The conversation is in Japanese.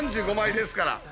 ３５枚ですから。